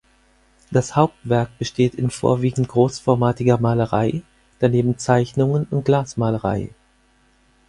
Das Hauptwerk besteht in vorwiegend großformatiger Malerei, daneben Zeichnungen und Glasmalerei.